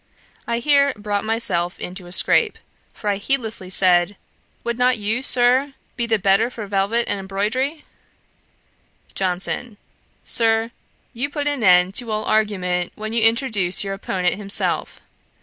I here brought myself into a scrape, for I heedlessly said, 'Would not you, Sir, be the better for velvet and embroidery?' JOHNSON. 'Sir, you put an end to all argument when you introduce your opponent himself.